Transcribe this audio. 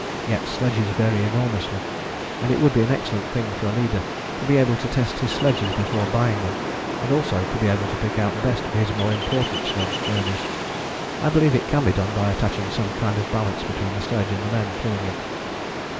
Yet sledges vary enormously, and it would be an excellent thing for a leader to be able to test his sledges before buying them, and also to be able to pick out the best for his more important sledge journeys. I believe it can be done by attaching some kind of balance between the sledge and the men pulling it.